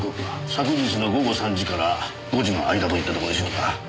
昨日の午後３時から５時の間といったところでしょうか。